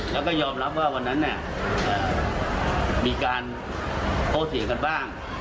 แล้วก็ยอมรับว่าวันนั้นเนี่ยมีการโต้เถียงกันบ้าง